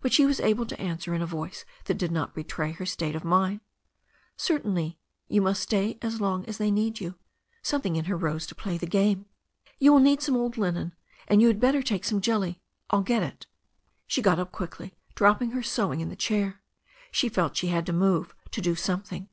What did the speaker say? But she was able to answer in a voice that did not betray her state of mind: "Certainly. You must stay as long as they need you." Something in her rose to play the game. "Yom ^rfC^ x^r.^ 362 THE STORY OF A NEW ZEALAND RIVER some old linen, and you had better take some jelly — ^I'll get it." She got up quickly, dropping her sewing in the chair. She felt she had to move, to do something.